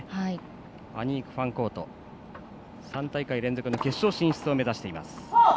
アニーク・ファンコートは３大会連続の決勝進出を目指しています。